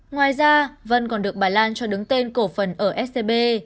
ngoài ra vân còn được bà lan cho đứng tên cổ phần ở scb